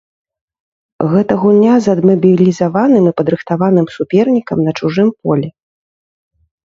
Гэта гульня з адмабілізаваным і падрыхтаваным супернікам на чужым полі.